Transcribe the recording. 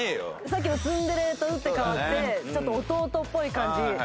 さっきのツンデレと打って変わってちょっと弟っぽい感じ。